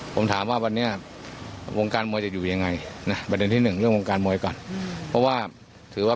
ผมถามว่าวันนี้วงการมวยจะอยู่อย่างไร